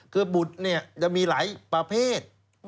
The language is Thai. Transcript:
คือบุตรเนี่ยจะมีหลายประเภท